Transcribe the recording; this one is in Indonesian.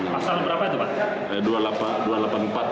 pasal berapa itu pak